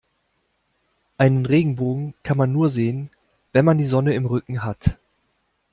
Einen Regenbogen kann man nur sehen, wenn man die Sonne im Rücken hat.